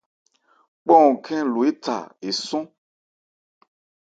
Kpánhɔn khɛ́n lo étha esɔ́n.